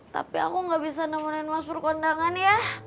tapi aku gak bisa nemenin mas pur kondangan ya